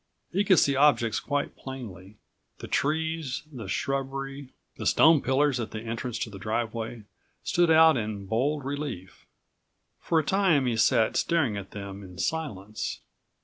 He could see objects quite plainly. The trees, the shrubbery, the stone pillars at the entrance to the driveway, stood out in bold relief. For a time he sat staring at them in silence.